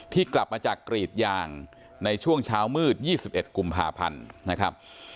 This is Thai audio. ที่กลับมาจากกรีดยางในช่วงเช้ามืดยี่สิบเอ็ดกุมภาพันธ์นะครับ